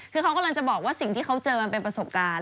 คือเขากำลังจะบอกว่าสิ่งที่เขาเจอมันเป็นประสบการณ์